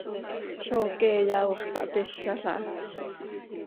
¡Zó queeya hoox tahpizàl ah!